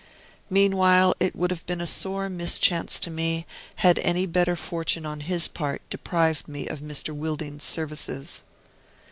Meanwhile, it would have been a sore mischance to me, had any better fortune on his part deprived me of Mr. Wilding's services.